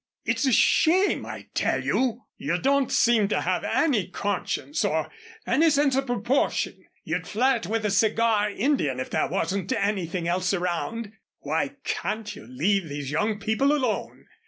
"It's a shame, I tell you. You don't seem to have any conscience or any sense of proportion. You'd flirt with a cigar Indian if there wasn't anything else around. Why can't you leave these young people alone?